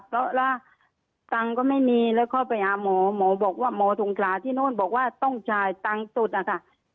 เพราะว่าตังค์ก็ไม่มีแล้วเข้าไปหาหมอหมอบอกว่าหมอสงขลาที่โน่นบอกว่าต้องจ่ายตังค์สุดอะค่ะ